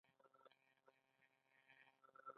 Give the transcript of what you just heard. د بلخ په زاري کې د څه شي نښې دي؟